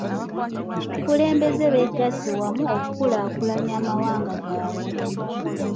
Abakulembeze beegasse wamu okukulaakulanya amawanga gaabwe.